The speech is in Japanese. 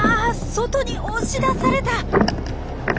外に押し出された。